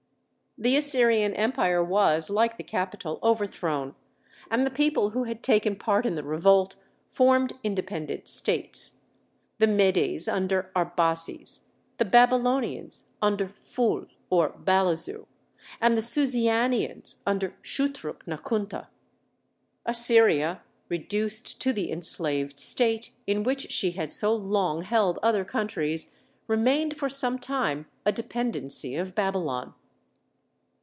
The Assyrian empire was, like the capital, overthrown, and the people who had taken part in the revolt formed independent states the Medes under Arbaces, the Babylonians under Phul or Balazu, and the Susianians under Shutruk Nakhunta. Assyria, reduced to the enslaved state in which she had so long held other countries, remained for some time a dependency of Babylon.